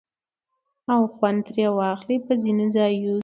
او خوند ترې واخلي په ځينو ځايو کې